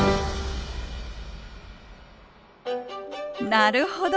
なるほど。